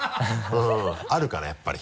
うんあるからやっぱり。